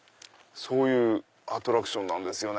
そういうアトラクションなんです。